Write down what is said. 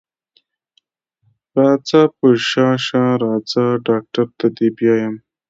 راځه په شا شه راځه ډاکټر ته دې بيايمه.